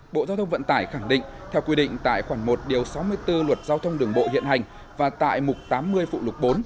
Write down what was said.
bộ giao thông vận tải khẳng định theo quy định tại khoản một sáu mươi bốn luật giao thông đường bộ hiện hành và tại mục tám mươi phụ lục bốn